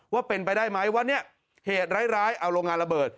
ว่าเป็นไปได้ไหมว่าเนี่ยเหตุร้ายเอาโรงงานระเบิด